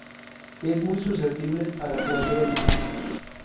Es muy susceptible a la proteólisis.